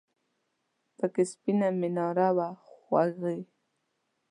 پکې سپینه میناره نه وه خوږې !